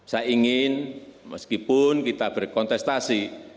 saya ingin meskipun kita berkontestasi